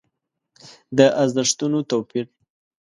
د ارزښتونو توپير.